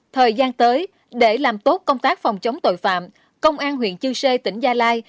thời gian tới để làm tốt công tác phòng chống tội phạm công an huyện chư sê tỉnh gia lai